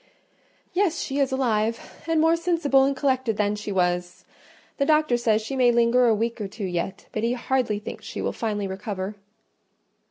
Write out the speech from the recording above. "Yes, she is alive; and more sensible and collected than she was. The doctor says she may linger a week or two yet; but he hardly thinks she will finally recover."